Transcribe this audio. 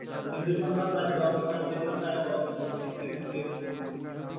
হিন্দু সংবাদমাধ্যম সোহরাওয়ার্দী সরকার এবং মুসলিম লীগকে দোষ দিয়েছিল।